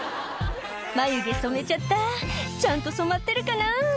「眉毛染めちゃったちゃんと染まってるかな？」